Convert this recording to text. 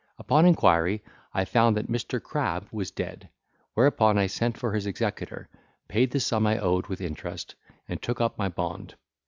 Upon inquiry, I found that Mr. Crab was dead; whereupon I sent for his executor, paid the sum I owed with interest, and took up my bond.